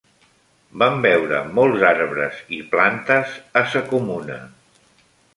Vam veure molts arbres i plantes a Sa Comuna.